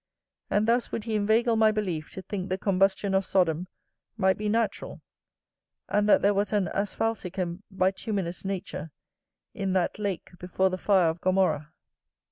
And thus would he inveigle my belief to think the combustion of Sodom might be natural, and that there was an asphaltick and bituminous nature in that lake before the fire of Gomorrah.